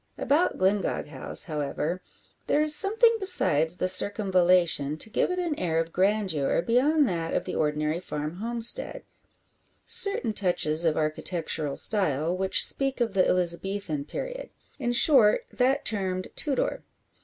About Glyngog House, however, there is something besides the circumvallation to give it an air of grandeur beyond that of the ordinary farm homestead; certain touches of architectural style which speak of the Elizabethan period in short that termed Tudor.